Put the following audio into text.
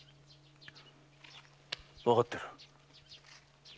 わかっておる。